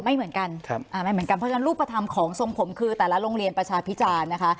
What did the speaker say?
ไม่เหมือนกันไม่เหมือนกันเพราะฉะนั้นรูปธรรมของทรงผมคือแต่ละโรงเรียนประชาพิจารณ์นะคะ